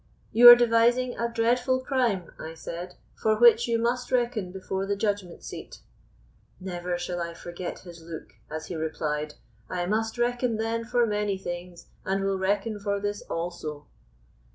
'You are devising a dreadful crime,' I said, 'for which you must reckon before the judgment seat.' Never shall I forget his look, as he replied, 'I must reckon then for many things, and will reckon for this also.